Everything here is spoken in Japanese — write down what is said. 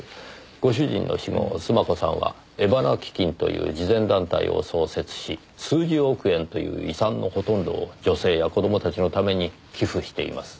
ご主人の死後須磨子さんは江花基金という慈善団体を創設し数十億円という遺産のほとんどを女性や子供たちのために寄付しています。